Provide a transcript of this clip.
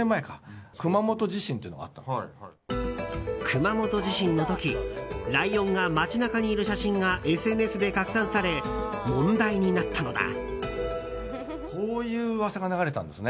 熊本地震の時ライオンが街中にいる写真がＳＮＳで拡散され問題になったのだ。